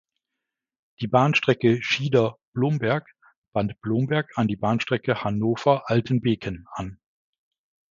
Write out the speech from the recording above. Die Bahnstrecke Schieder–Blomberg band Blomberg an die Bahnstrecke Hannover–Altenbeken an.